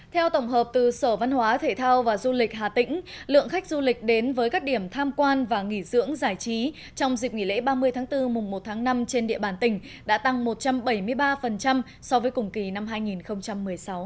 theo tổng hợp từ sở văn hóa thể thao và du lịch hà tĩnh lượng khách du lịch đến với các điểm tham quan và nghỉ dưỡng giải trí trong dịp nghỉ lễ ba mươi tháng bốn mùng một tháng năm trên địa bàn tỉnh đã tăng một trăm bảy mươi ba so với cùng kỳ năm hai nghìn một mươi sáu